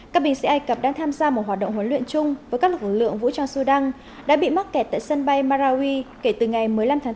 các binh sĩ ai cập đang tham gia một hoạt động huấn luyện chung với các lực lượng vũ trang sudan đã bị mắc kẹt tại sân bay marawi kể từ ngày một mươi năm tháng bốn